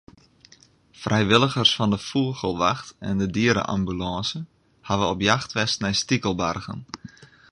Frijwilligers fan de Fûgelwacht en de diere-ambulânse hawwe op jacht west nei stikelbargen.